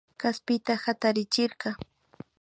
Kaspita hatarichirka